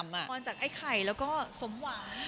มีความจากไอ้ไข่แล้วก็สมหวาน